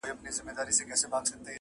نه چا خبره پکښی کړه نه یې ګیلې کولې-